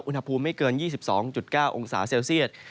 อุณหภูมิไม่เกิน๒๒๙องศาเซลเซียต